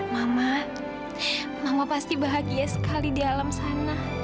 mama mama pasti bahagia sekali di alam sana